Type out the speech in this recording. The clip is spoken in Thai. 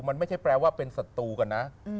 มันไม่ใช่แปลว่าเป็นศัตรูกันนะ